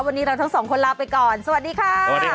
วันนี้เราทั้งสองคนลาไปก่อนสวัสดีค่ะ